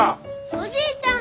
おじいちゃん。